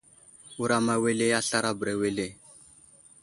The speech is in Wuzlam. Wuram awele a slaray a bəra wele ?